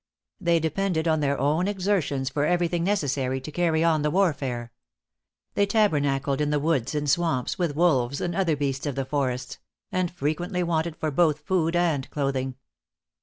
They depended on their own exertions for every thing necessary to carry on the warfare. They tabernacled in the woods and swamps, with wolves and other beasts of the forests; and frequently wanted for both food and clothing.